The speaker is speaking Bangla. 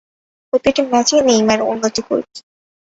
প্রতিটি ম্যাচেই নেইমার উন্নতি করছে।